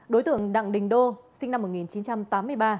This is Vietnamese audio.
đối tượng đặng đình đô sinh năm một nghìn chín trăm tám mươi ba